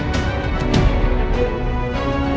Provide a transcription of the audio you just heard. jawab yang jujur ya